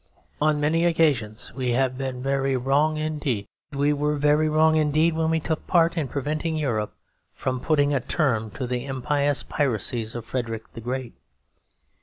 On many occasions we have been very wrong indeed. We were very wrong indeed when we took part in preventing Europe from putting a term to the impious piracies of Frederick the Great.